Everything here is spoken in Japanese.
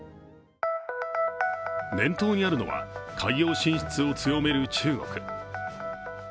念頭にあるのは、海洋進出を強める中国。